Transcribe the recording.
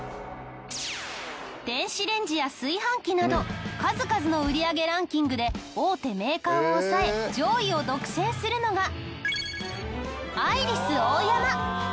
電子レンジや炊飯器など数々の売上ランキングで大手メーカーを抑え上位を独占するのがアイリスオーヤマ。